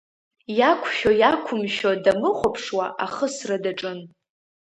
Иақәшәо иақәымшәо дамыхәаԥшуа ахысра даҿын.